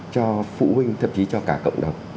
cho phụ huynh thậm chí cho cả cộng đồng